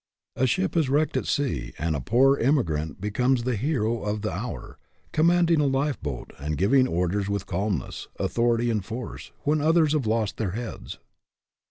A ship is wrecked at sea, and a poor immi grant becomes the hero of the hour, command ing a lifeboat, and giving orders with calmness, authority, and force, when others have lost their heads.